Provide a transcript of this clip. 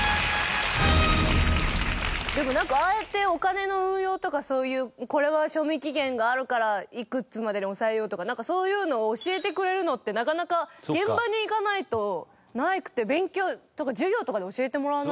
でもなんかああやってお金の運用とかこれは賞味期限があるからいくつまでに抑えようとかそういうのを教えてくれるのってなかなか現場に行かないとなくて勉強とか授業とかで教えてもらわないから。